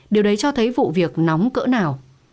điều đấy cho thấy vụ việc nóng cỡ nào